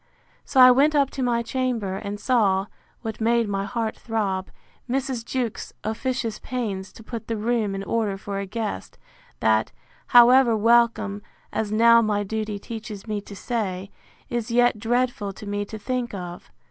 So I went up to my chamber, and saw (what made my heart throb) Mrs. Jewkes's officious pains to put the room in order for a guest, that, however welcome, as now my duty teaches me to say, is yet dreadful to me to think of.